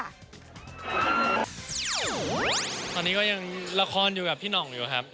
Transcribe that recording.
ตอนนี้ก็ยังละครอยู่กับพี่หน่องอยู่ครับ